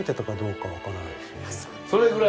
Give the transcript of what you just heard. それぐらい？